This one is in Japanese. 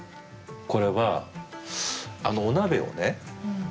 これはお鍋をね